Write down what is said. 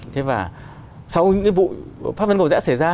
thế và sau những cái vụ pháp vân cầu rẽ xảy ra